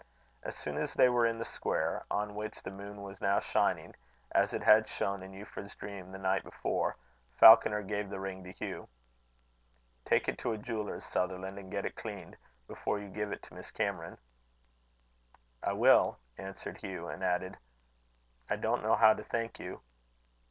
As soon as they were in the square, on which the moon was now shining, as it had shone in Euphra's dream the night before, Falconer gave the ring to Hugh. "Take it to a jeweller's, Sutherland, and get it cleaned, before you give it to Miss Cameron." "I will," answered Hugh, and added, "I don't know how to thank you."